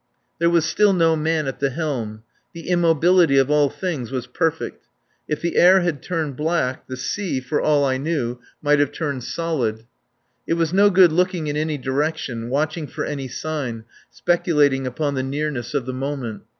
There was still no man at the helm. The immobility of all things was perfect. If the air had turned black, the sea, for all I knew, might have turned solid. It was no good looking in any direction, watching for any sign, speculating upon the nearness of the moment.